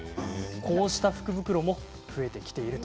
こうした福袋も増えてきていると。